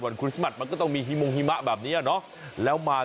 วันคริสต์มันก็ต้องมีหิมงหิมะแบบนี้อ่ะเนอะแล้วมา